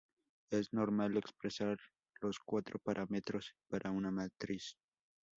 Es normal expresar los cuatro parámetros como una matriz.